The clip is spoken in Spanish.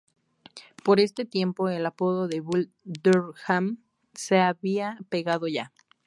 Por este tiempo, el apodo de Bull Durham se había pegado ya.